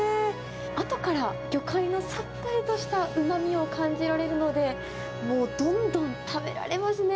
あとから魚介のさっぱりとしたうまみを感じられるので、もうどんどん食べられますね。